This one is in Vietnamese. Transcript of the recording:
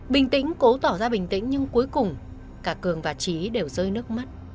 bình tĩnh cố tỏ ra bình tĩnh nhưng cuối cùng cả cường và trí đều rơi nước mắt